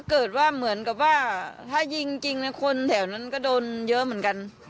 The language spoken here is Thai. เกิดว่าเหมือนกับว่าถ้ายิงจริงคนแถวนั้นก็โดนเยอะเหมือนกัน